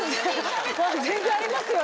全然ありますよ